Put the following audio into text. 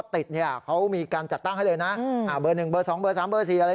ติดเนี่ยเขามีการจัดตั้งให้เลยนะอ่าเบอร์หนึ่งเบอร์สองเบอร์สามเบอร์สี่อะไร